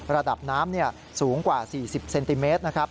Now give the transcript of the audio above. ระดับน้ำสูงกว่า๔๐เซนติเมตรนะครับ